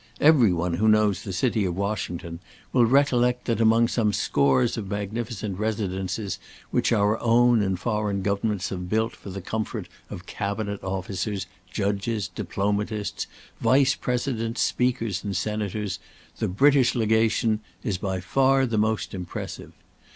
Every one who knows the city of Washington will recollect that, among some scores of magnificent residences which our own and foreign governments have built for the comfort of cabinet officers, judges, diplomatists, vice presidents, speakers, and senators, the British Legation is by far the most impressive.